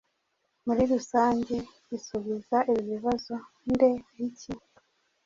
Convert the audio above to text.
Muri rusange gisubiza ibi bibazo: nde?, iki?